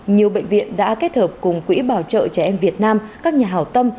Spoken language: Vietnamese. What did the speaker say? nhiều bệnh viện đã kết hợp cùng quỹ bảo trợ trẻ em việt nam các nhà hảo tâm